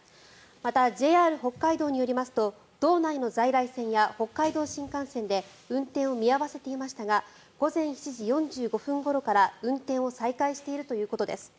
また、ＪＲ北海道によりますと道内の在来線や北海道新幹線で運転を見合わせていましたが午前７時４５分ごろから運転を再開しているということです。